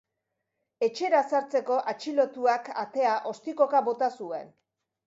Etxera sartzeko atxilotuak atea ostikoka bota zuen.